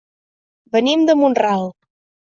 Venim de Mont-ral.